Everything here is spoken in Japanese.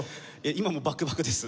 今もバクバクです